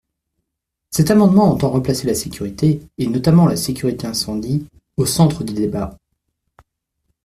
Cet amendement entend replacer la sécurité, et notamment la sécurité incendie, au centre du débat.